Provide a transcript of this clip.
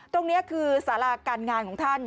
ตรงนี้คือสาราการงานของท่าน